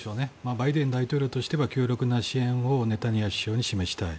バイデン大統領としては強力な支援をネタニヤフ首相に示したい。